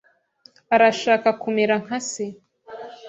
arashaka kumera nka se.